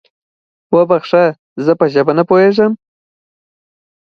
وبخښه، زه په ژبه نه پوهېږم؟